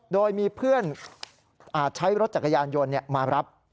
โดยมีเพื่อนใช้รถจักรยานยนต์มารับ